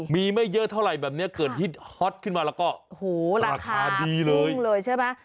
มีไม่เยอะเท่าไหร่แบบนี้เกิดฮิตฮอตขึ้นมาแล้วก็โอ้โหราคาดีเลยพุ่งเลยใช่ไหม